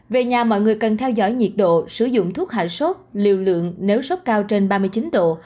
về nhà mọi người cần theo dõi nhiệt độ sử dụng thuốc hạ sốt liều lượng nếu sốc cao trên ba mươi chín độ